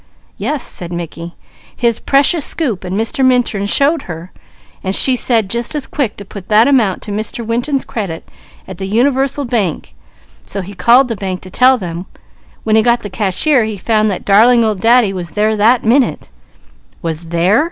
"Yes," said Mickey. "His precious 'scoop,' so Mr. Minturn showed her, and she said just as quick to put that amount to Mr. Winton's credit at the Universal Bank, so he called the bank to tell them; when he got the cashier he found that 'darling old Daddy' was there that minute " "'Was there?'"